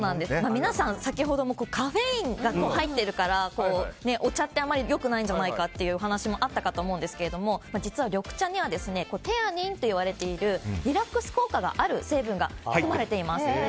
皆さん、先ほどもカフェインが入っているからお茶ってあんまり良くないんじゃないかというお話もあったかと思うんですが実は、緑茶にはテアニンと呼ばれているリラックス効果のある成分が含まれています。